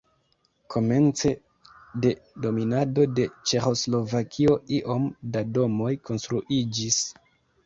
Komence de dominado de Ĉeĥoslovakio iom da domoj konstruiĝis.